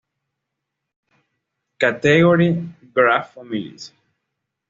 Category:Graph families